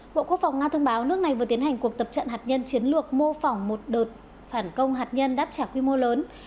bộ quốc phòng nga thông báo nước này vừa tiến hành cuộc tập trận hạt nhân chiến lược mô phỏng một đợt phản công hạt nhân đáp trả quy mô lớn